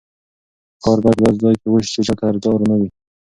ښکار باید په داسې ځای کې وشي چې چا ته ازار نه وي.